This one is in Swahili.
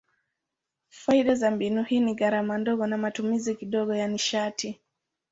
Faida za mbinu hii ni gharama ndogo na matumizi kidogo ya nishati.